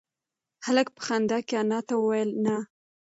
هلک په خندا کې انا ته وویل نه.